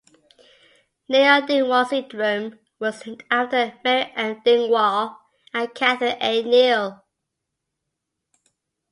Neill-Dingwall syndrome was named after Mary M. Dingwall and Catherine A. Neill.